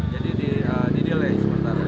jadi didelay sementara